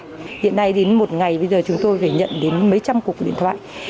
hiện nay đến một ngày bây giờ chúng tôi phải nhận đến mấy trăm cuộc điện thoại